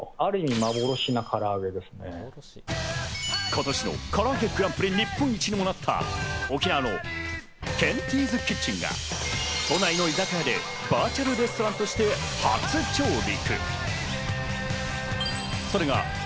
今年のからあげグランプリ日本一にもなった沖縄のケンティズキッチンが都内の居酒屋でバーチャルレストランとして初上陸。